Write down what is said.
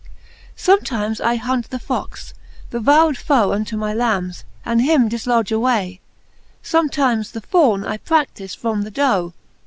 XXIII. Sometimes I hunt the fox, the vowed foe Unto my lambes, and him diftodge away ; Sometime the fawne I pradife, from the doe.